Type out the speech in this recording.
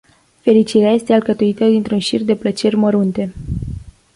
Fericirea este alcătuită dintr-un șir de plăceri mărunte.